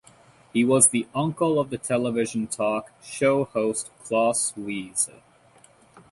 He was the uncle of the television talk show host Claus Wiese.